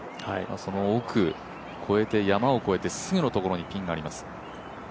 その奥、越えて、山を越えてすぐのところにピンがあります。